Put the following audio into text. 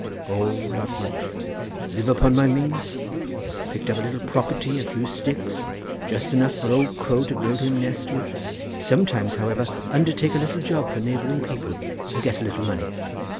"O, not much; live upon my means; picked up a little property, a few sticks, just enough for old crow to build him nest with—sometimes, however, undertake a little job for neighbouring people and get a little money.